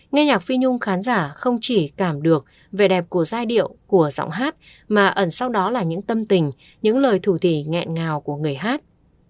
nghe nhạc phi nhung khán giả không chỉ cảm được vẻ đẹp của giai điệu của giọng hát mà ẩn sau đó là những tâm tình những lời thủ thị nghẹn ngào của người hát